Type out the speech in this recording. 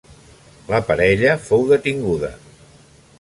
La parella fou detinguda.